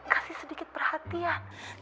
kasih sedikit perhatian